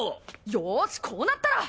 よしこうなったら。